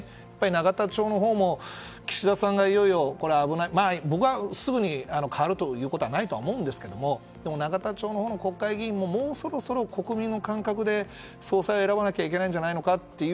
永田町のほうも僕はすぐに代わることはないと思うんですけどでも、永田町のほうの国会議員ももうそろそろ、国民の感覚で総裁を選ばなきゃいけないんじゃないかと。